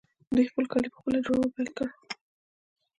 دوی خپل کالي پخپله جوړول پیل کړل.